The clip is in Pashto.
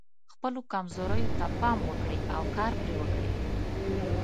خپلو کمزوریو ته پام وکړئ او کار پرې وکړئ.